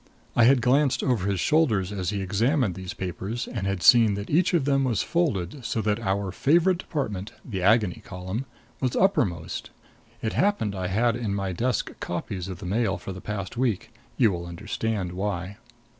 I had glanced over his shoulder as he examined these papers, and had seen that each of them was folded so that our favorite department the Agony Column was uppermost. It happened I had in my desk copies of the Mail for the past week. You will understand why.